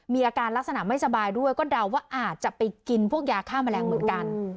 มีอาการลักษณะไม่สบายด้วยก็เดาว่าอาจจะไปกินพวกยาฆ่าแมลงเหมือนกัน